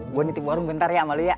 gue nitip warung bentar ya sama lu ya